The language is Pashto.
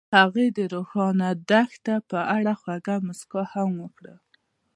هغې د روښانه دښته په اړه خوږه موسکا هم وکړه.